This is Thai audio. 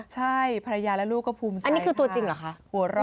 ใช่ภรรยาแล้วลูกก็ภูมิใจค่ะ